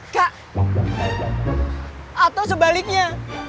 kak atau sebaliknya